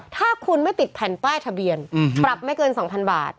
ถ้าคุณไม่ติดแผ่นป้ายทะเบียนปรับไม่เกิน๒๐๐บาท